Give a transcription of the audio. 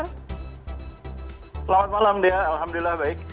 selamat malam alhamdulillah baik